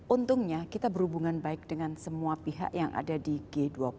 untungnya kita berhubungan baik dengan semua pihak yang ada di g dua puluh